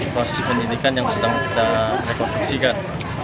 proses penyidikan yang sedang kita rekonstruksikan